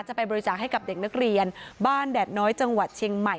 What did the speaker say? จะไปบริจาคให้กับเด็กนักเรียนบ้านแดดน้อยจังหวัดเชียงใหม่